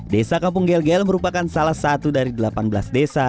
desa kampung gel gel merupakan salah satu dari delapan belas desa